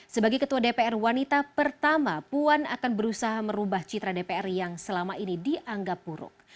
sebagai ketua dpr wanita pertama puan akan berusaha merubah citra dpr yang selama ini dianggap buruk